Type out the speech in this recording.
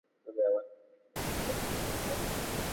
তুমি আমার সাথে বিশ্ববিদ্যালয়ের কাছে থাকছো, তাই না?